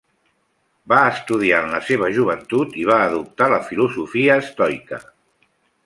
Va estudiar en la seva joventut i va adoptar la filosofia estoica.